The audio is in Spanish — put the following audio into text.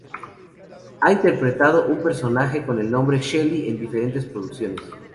Ha interpretado a un personaje con el nombre "Shelly" en diferentes producciones.